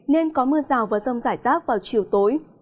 nên có mưa rào và rông rải rác vào chiều tối